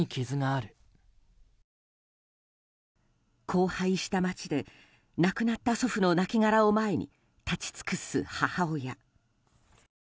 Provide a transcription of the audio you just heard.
荒廃した街で亡くなった祖父の亡きがらを前に立ち尽くす母親。